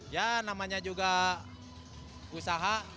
ya namanya juga usaha